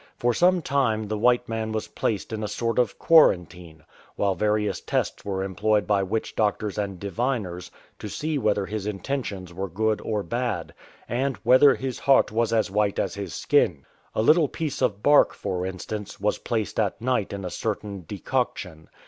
For some time the white man was placed in a sort of quarantine, while various tests were employed by witch doctors and diviners to see whether his intentions were good or bad, and " whether his heart was as white as his skin." A little piece of bark, for instance, was placed at night in a cer tain decoction.